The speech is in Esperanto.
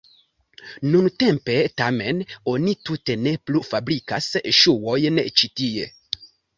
Nuntempe tamen oni tute ne plu fabrikas ŝuojn ĉi tie.